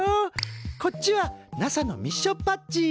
こっちはＮＡＳＡのミッションパッチ。